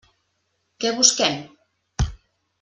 Què busquem?